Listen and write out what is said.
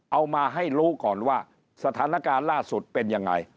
เอามาให้รู้ก่อนว่าสถานการณ์ล่าสุดเป็นยังไง